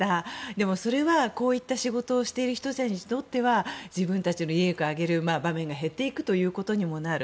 でも、それはこういった仕事をしている人たちにとっては自分たちの利益を上げる場面が減っていくということにもなる。